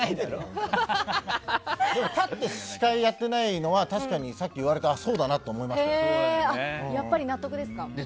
立って司会やってないのは確かにさっき言われたらそうだなって思いました。